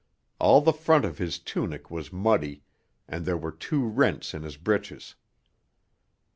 All the front of his tunic was muddy, and there were two rents in his breeches.